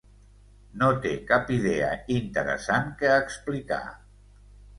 No té cap idea interessant que explicar.